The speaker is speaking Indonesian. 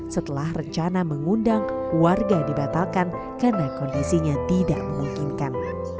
setelah rencana mengundang warga dibatalkan karena kondisinya tidak memungkinkan